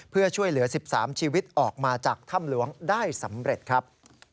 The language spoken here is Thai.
เพื่อช่วยเหลือ๑๓ชีวิตออกมาจากถ้ำหลวงได้สำเร็จครับ